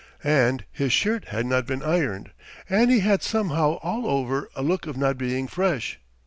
And his shirt had not been ironed and he had somehow all over a look of not being fresh.